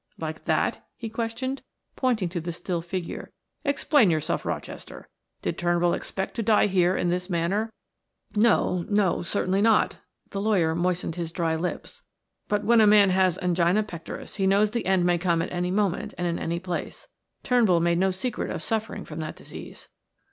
"Like that?" he questioned, pointing to the still figure. "Explain yourself, Rochester. Did Turnbull expect to die here in this manner?" "No no certainly not." The lawyer moistened his dry lips. "But when a man has angina pectoris he knows the end may come at any moment and in any place. Turnbull made no secret of suffering from that disease."